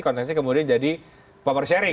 konsesi kemudian jadi power sharing